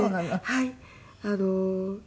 はい。